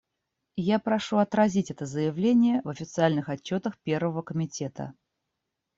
Я прошу отразить это заявление в официальных отчетах Первого комитета.